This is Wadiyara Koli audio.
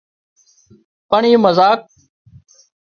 پڻ اي مزاق